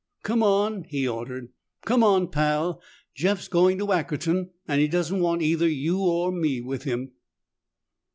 "Come on!" he ordered. "Come on, Pal! Jeff's going to Ackerton and he doesn't want either you or me with him!"